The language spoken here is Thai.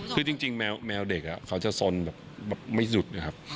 คือจริงแมวเด็กเขาจะสนแบบไม่หยุดนะครับ